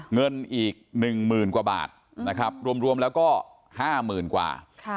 เงินอีก๑หมื่นกว่าบาทรวมแล้วก็๕หมื่นกว่า